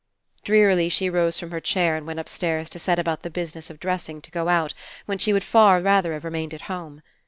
Drearily she rose from her chair and went upstairs to set about the business of dress ing to go out when she would far rather have remained at home.